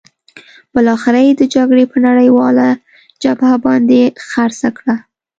بالاخره یې د جګړې پر نړیواله جبهه باندې خرڅه کړه.